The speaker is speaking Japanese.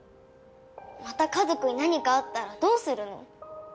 また家族に何かあったらどうするの？